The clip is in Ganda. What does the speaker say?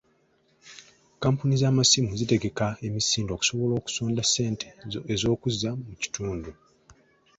Kkampuni z'amasimu zitegeka emisinde okusobola okusonda ssente ez'okuzza mu kitundu